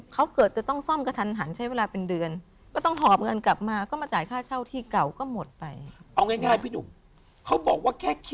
บ้านก็แทบแตกแล้ว